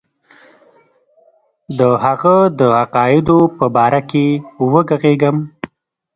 د هغه د عقایدو په باره کې وږغېږم.